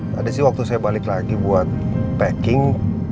tadi sih waktu saya balik lagi buat packing